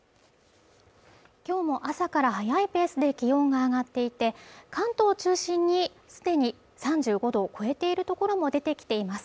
今日も朝から早いペースで気温が上がっていて関東を中心にすでに３５度を超えている所も出てきています